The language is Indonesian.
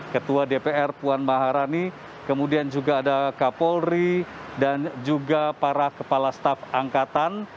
ketua dpr puan maharani kemudian juga ada kapolri dan juga para kepala staf angkatan